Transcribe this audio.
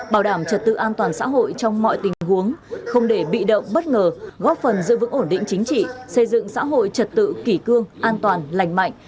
bảo đảm trật tự an toàn xã hội trong mọi tình huống không để bị động bất ngờ góp phần giữ vững ổn định chính trị xây dựng xã hội trật tự kỷ cương an toàn lành mạnh